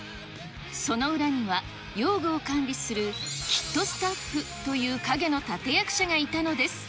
その裏には、用具を管理する、キットスタッフという陰の立て役者がいたのです。